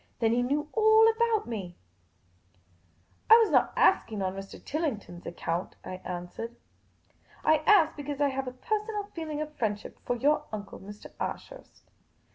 Then he knew all about me !" I was not asking on Mr. Tillington' s account," I answered. '' I asked because I have a personal feeling of friendship for your uncle, Mr. Ashurst."